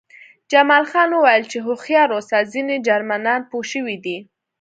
جمال خان وویل چې هوښیار اوسه ځینې جرمنان پوه شوي دي